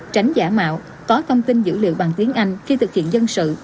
tránh giả mạo có thông tin dữ liệu bằng tiếng anh khi thực hiện dân sự